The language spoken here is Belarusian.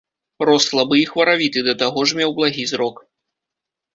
Рос слабы і хваравіты, да таго ж меў благі зрок.